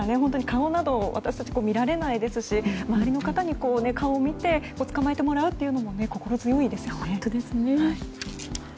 顔なども私たちは見られないですし周りの方に顔を見て捕まえてもらうのも心強いですよね。